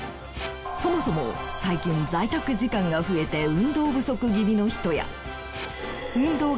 そもそも最近在宅時間が増えて運動不足気味の人や。